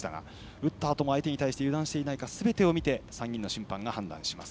打ったあとも相手に対して油断していないかすべてを見て３人の審判が判断します。